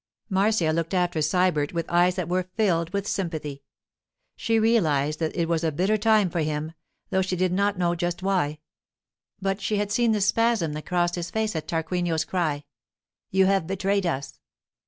Marcia looked after Sybert with eyes that were filled with sympathy. She realized that it was a bitter time for him, though she did not know just why; but she had seen the spasm that crossed his face at Tarquinio's cry, 'You have betrayed us!